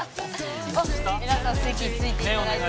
皆さん席着いて頂いて。